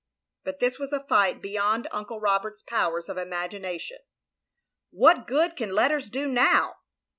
" But this was a flight beyond Uncle Roberts's powers of imagination. "What good can letters do now?"